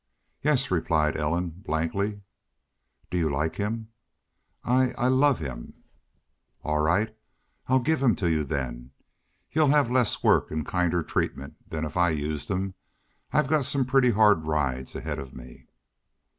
"Yes," replied Ellen, blankly. "Do you like him?" "I I love him." "All right, I'll give him to you then. He'll have less work and kinder treatment than if I used him. I've got some pretty hard rides ahead of me."